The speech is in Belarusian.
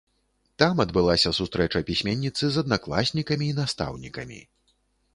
Там адбылася сустрэча пісьменніцы з аднакласнікамі і настаўнікамі.